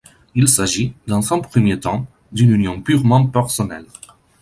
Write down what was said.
Il s'agit, dans un premier temps, d'une union purement personnelle.